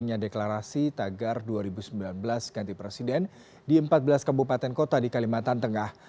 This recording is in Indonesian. hanya deklarasi tagar dua ribu sembilan belas ganti presiden di empat belas kabupaten kota di kalimantan tengah